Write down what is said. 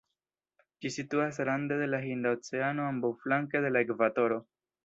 Ĝi situas rande de la Hinda Oceano ambaŭflanke de la ekvatoro.